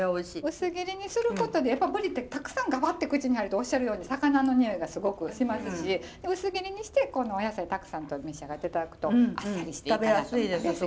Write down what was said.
薄切りにすることでやっぱりぶりってたくさんがばって口に入るとおっしゃるように魚のにおいがすごくしますし薄切りにしてこのお野菜たくさんと召し上がって頂くとあっさりしていいかなと。